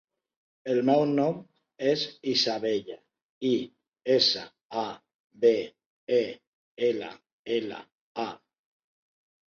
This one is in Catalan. El meu nom és Isabella: i, essa, a, be, e, ela, ela, a.